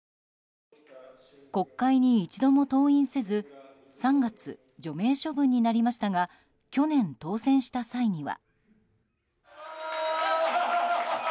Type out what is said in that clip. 国会に一度も登院せず３月、除名処分になりましたが去年、当選した際には。